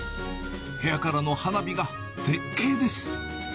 部屋からの花火が絶景です。